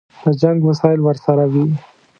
د جنګ وسایل ورسره وي.